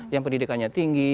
yang pendidikannya tinggi